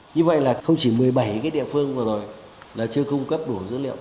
như vậy là không chỉ một mươi bảy cái địa phương vừa rồi là chưa cung cấp đủ dữ liệu